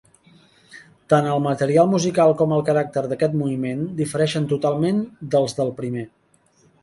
Tant el material musical com el caràcter d'aquest moviment difereixen totalment dels del primer.